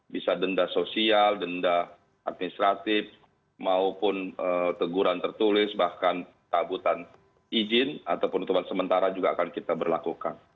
bisa denda sosial denda administratif maupun teguran tertulis bahkan tabutan izin atau penutupan sementara juga akan kita berlakukan